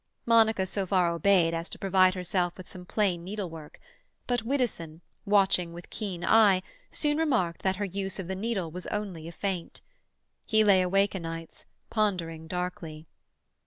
Monica so far obeyed as to provide herself with some plain needlework, but Widdowson, watching with keen eye, soon remarked that her use of the needle was only a feint. He lay awake o' nights, pondering darkly.